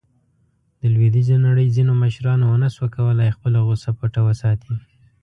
د لویدیځې نړۍ ځینو مشرانو ونه شو کولاې خپله غوصه پټه وساتي.